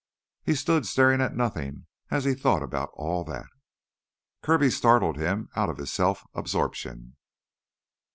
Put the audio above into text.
He stood staring at nothing as he thought about all that. Kirby startled him out of his self absorption.